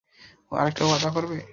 আরেকটা ওয়াদা করবে?